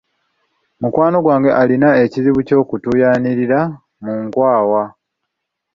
Mukwano gwange alina ekizibu ky'okutuuyanirira mu nkwawa.